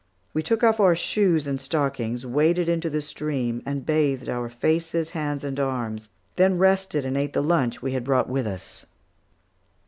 We took off our shoes and stockings, waded into the stream and bathed our faces, hands, and arms, then rested and ate the lunch we had brought with us.